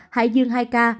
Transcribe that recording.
hải dương hai ca